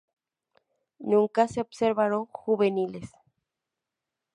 Nunca se observaron juveniles.